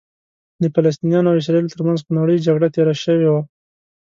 د فلسطینیانو او اسرائیلو ترمنځ خونړۍ جګړه تېره شوې وه.